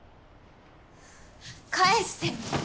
返してよ。